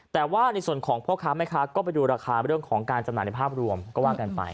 แต่ว่าในส่วนของพ่อค้าแม่ค้าก็ไปดูราคาเรื่องของการจำหน่ายในภาพรวมก็ว่ากันไป